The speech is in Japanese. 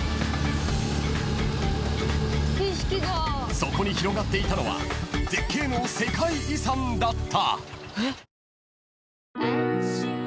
［そこに広がっていたのは絶景の世界遺産だった］